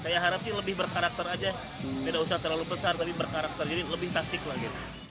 saya harap sih lebih berkarakter aja tidak usah terlalu besar tapi berkarakter jadi lebih tasik lagi